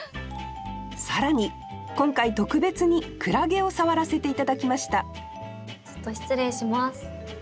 更に今回特別に海月を触らせて頂きましたちょっと失礼します。